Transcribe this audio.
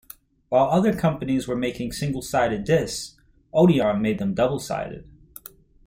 While other companies were making single-side discs, Odeon made them double-sided.